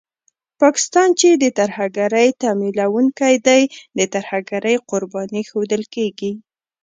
پاکستان چې د ترهګرۍ تمويلوونکی دی، د ترهګرۍ قرباني ښودل کېږي